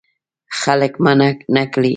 خلک منع نه کړې.